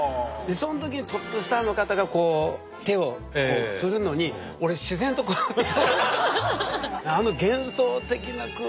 そのときにトップスターの方がこう手を振るのに俺自然とこうやって。